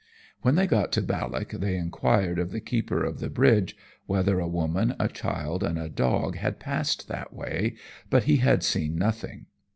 When they got to Ballock they enquired of the keeper of the bridge whether a woman, a child, and a dog had passed that way, but he had seen nothing.